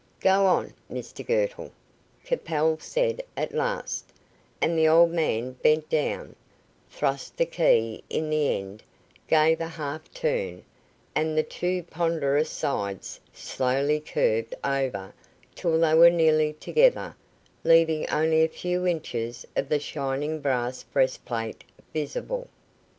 "Go on, Mr Girtle," Capel said, at last, and the old man bent down, thrust the key in the end, gave a half turn, and the two ponderous sides slowly curved over till they were nearly together leaving only a few inches of the shining brass breastplate visible.